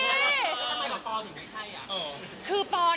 ทำไมกับปอล์ถึงไม่ใช่